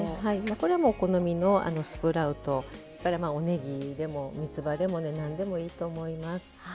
これはもうお好みのスプラウトそれからおねぎでもみつばでもね何でもいいと思います。